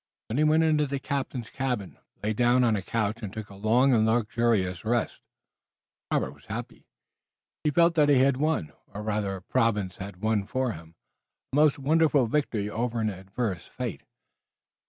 Then he went into the captain's cabin, lay down on a couch, and took a long and luxurious rest. Robert was happy. He felt that he had won, or rather that Providence had won for him, a most wonderful victory over adverse fate.